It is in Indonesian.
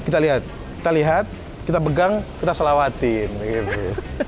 kita lihat kita lihat kita pegang kita selawatin gitu